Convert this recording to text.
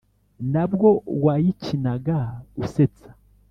nabwo wayikinaga usetsa?